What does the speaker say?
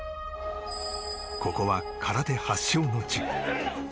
ここは空手発祥の地。